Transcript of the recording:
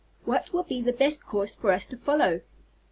"What will be the best course for us to follow?"